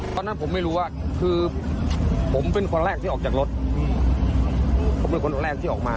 ตอนนั้นผมไม่รู้ว่าคือผมเป็นคนแรกที่ออกจากรถผมเป็นคนแรกที่ออกมา